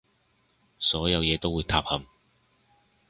所有嘢都會崩塌